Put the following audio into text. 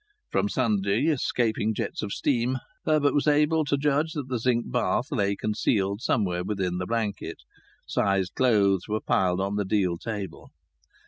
From sundry escaping jets of steam Herbert was able to judge that the zinc bath lay concealed somewhere within the blanket. Si's clothes were piled on the deal table.